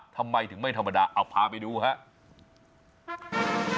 ทำไมถึงไม่ธรรมดาเอาพาไปดูครับ